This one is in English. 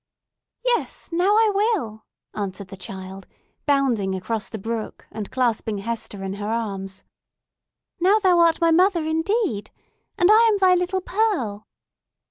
"Yes; now I will!" answered the child, bounding across the brook, and clasping Hester in her arms "Now thou art my mother indeed! and I am thy little Pearl!"